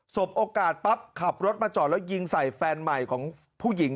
บโอกาสปั๊บขับรถมาจอดแล้วยิงใส่แฟนใหม่ของผู้หญิง